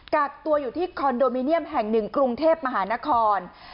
กักตัวอยู่ที่คอนโดมิเนียมแห่ง๑กรุงเทพมหานคร